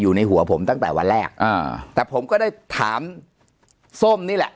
อยู่ในหัวผมตั้งแต่วันแรกอ่าแต่ผมก็ได้ถามส้มนี่แหละ